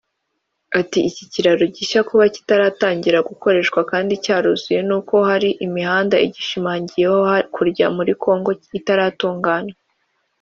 Ati ”Iki kiraro gishya kuba kitaratangira gukoreshwa kandi cyaruzuye ni uko hari imihanda igishamikiyeho hakurya muri congo itaratunganywa